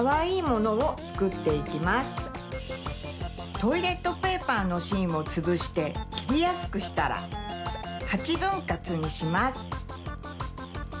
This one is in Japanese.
トイレットペーパーのしんをつぶしてきりやすくしたら８ぶんかつにします。